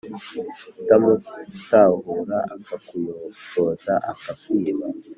utamutahura, akakuyogoza akakwiba